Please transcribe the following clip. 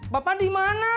bapak di mana